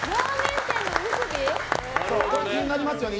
気になりますよね。